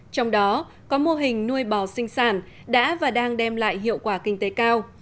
trong đó có mô hình nuôi bò sinh sản đã và đang đem lại hiệu quả kinh tế cao